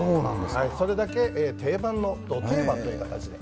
それだけ、定番のど定番という形で。